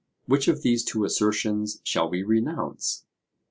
Which of these two assertions shall we renounce?